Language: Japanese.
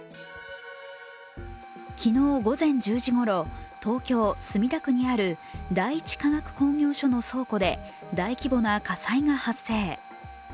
昨日午前１０時ごろ、東京・墨田区にある第一化学工業所の倉庫で大規模な火災が発生。